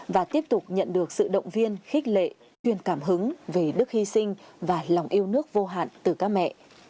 và tiếp tục nhận được sự động viên khích lệ chuyên cảm hứng về đức hy sinh và lòng yêu nước vô hạn từ các mẹ